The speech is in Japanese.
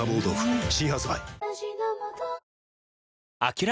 新発売